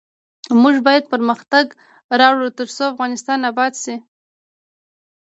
موږ باید پرمختګ راوړو ، ترڅو افغانستان اباد شي.